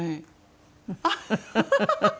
ハハハハ！